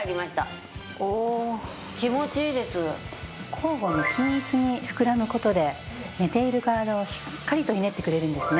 交互に均一に膨らむ事で寝ている体をしっかりとひねってくれるんですね。